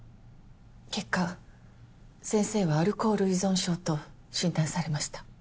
結果先生はアルコール依存症と診断されました。